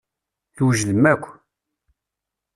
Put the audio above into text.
Twejdem akk.